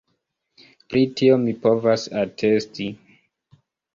Pri tio mi povas atesti.